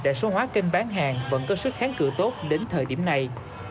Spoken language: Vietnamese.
đại số hóa kênh bán hàng vẫn có sức kháng cự tốt đến thời điểm này